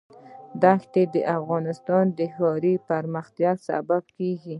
دښتې د افغانستان د ښاري پراختیا سبب کېږي.